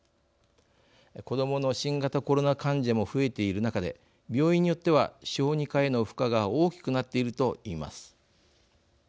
子どもの新型コロナ患者も増えている中で病院によっては小児科への負荷が大きくなっているといいます。